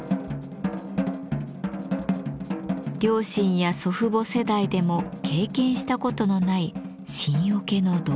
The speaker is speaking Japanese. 両親や祖父母世代でも経験したことのない新桶の導入。